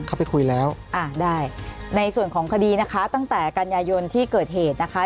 อ่าได้ในส่วนของคดีนะคะตั้งแต่กัญญายนที่เกิดเหตุนะคะ